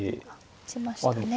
打ちましたね。